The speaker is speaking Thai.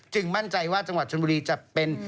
มั่นใจว่าจังหวัดชนบุรีจะเป็น